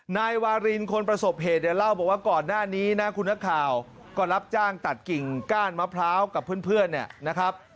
นายวารินคนประสบเหตุเนี่ยเล่าบอกว่าก่อนหน้านี้นะคุณนักข่าวก็รับจ้างตัดกิ่งก้านมะพร้าวกับเพื่อนเนี่ยนะครับ